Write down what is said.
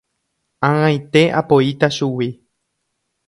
Ag̃aite apoíta chugui.